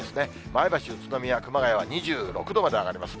前橋、宇都宮、熊谷は２６度まで上がります。